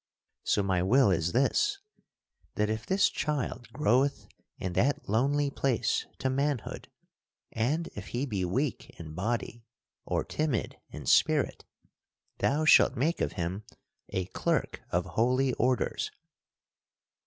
"So my will is this: that if this child groweth in that lonely place to manhood, and if he be weak in body or timid in spirit, thou shalt make of him a clerk of holy orders.